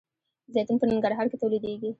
زیتون په ننګرهار کې تولیدیږي.